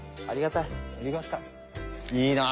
ありがたい。